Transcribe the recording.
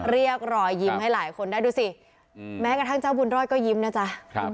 เรียกรอยยิ้มให้หลายคนได้ดูสิแม้กระทั่งเจ้าบุญรอดก็ยิ้มนะจ๊ะ